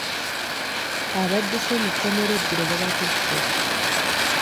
Abadduse mu kkomera eggulo babakutte.